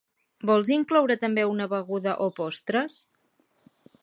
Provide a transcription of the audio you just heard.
Vols incloure també una beguda o postres?